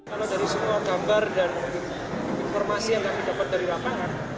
kalau dari semua gambar dan informasi yang kami dapat dari lapangan